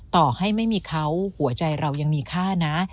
ต่อให้ไม่มีเขาหัวใจเรายังมีค่านะ